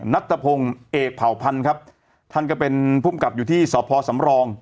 นัทธพงศ์เอกเผ่าพันธุ์ครับท่านก็เป็นภูมิกับอยู่ที่สพสำรอง